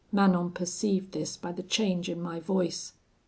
Manon perceived this by the change in my voice.